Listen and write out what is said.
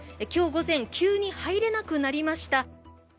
今日午前、急に入れなくなりました。